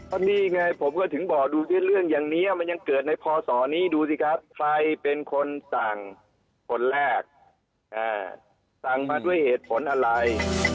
ก็นี่ไงผมก็ถึงบอกดูสิเรื่องอย่างนี้มันยังเกิดในพศนี้ดูสิครับใครเป็นคนสั่งคนแรกสั่งมาด้วยเหตุผลอะไร